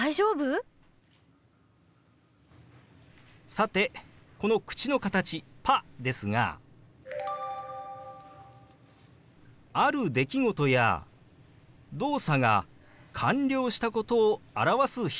さてこの口の形「パ」ですがある出来事や動作が完了したことを表す表現なんです。